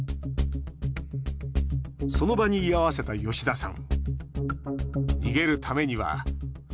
その場に居合わせた吉田さん。